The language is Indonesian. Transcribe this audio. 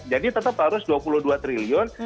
jadi tetap harus dua puluh dua triliun